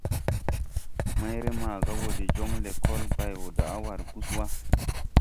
Mayre maaga wɔ de jɔŋ lɛkɔl bay wɔ daʼ war gus wà.